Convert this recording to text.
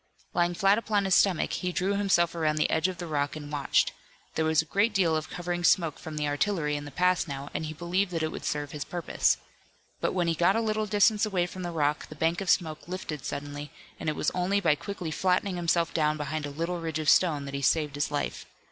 Lying flat upon his stomach he drew himself around the edge of the rock and watched. There was a great deal of covering smoke from the artillery in the pass now, and he believed that it would serve his purpose. But when he got a little distance away from the rock the bank of smoke lifted suddenly, and it was only by quickly flattening himself down behind a little ridge of stone that he saved his life.